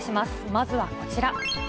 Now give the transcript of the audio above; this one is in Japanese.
まずはこちら。